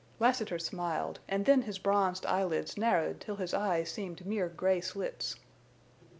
Lassiter smiled, and then his bronzed eyelids narrowed till his eyes seemed mere gray slits.